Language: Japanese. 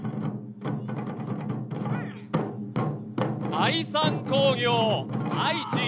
愛三工業・愛知。